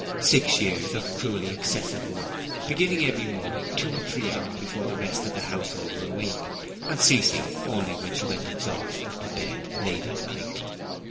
Six years of cruelly excessive work, beginning every morning two or three hours before the rest of the household were awake and ceasing only when she went exhausted to bed, late at night.